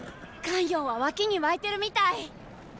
咸陽は沸きに沸いてるみたい。